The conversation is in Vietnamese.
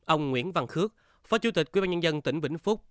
ông nguyễn văn khước phó chủ tịch quyên bàn nhân dân tỉnh bình phúc